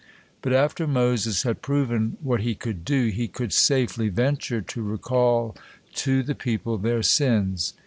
'" But after Moses had proven what he could do, he could safely venture to recall to the people their sins.